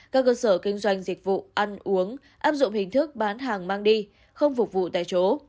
các cơ sở kinh doanh dịch vụ ăn uống áp dụng hình thức bán hàng mang đi không phục vụ tại chỗ